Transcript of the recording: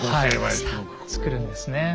作るんですねえ。